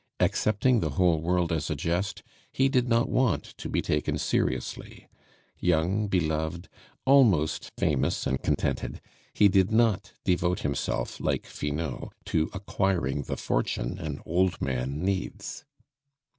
Accepting the whole world as a jest, he did not want to be taken seriously; young, beloved, almost famous and contented, he did not devote himself, like Finot, to acquiring the fortune an old man needs.